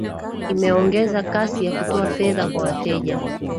imeongeza kasi ya kutoa fedha kwa wateja